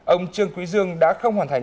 ông trương quý dương đã không hoàn thành